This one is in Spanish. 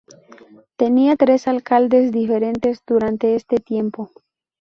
Tenía tres alcaldes diferentes durante este tiempo.